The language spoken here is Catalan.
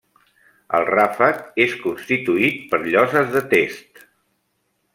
El ràfec és constituït per lloses de test.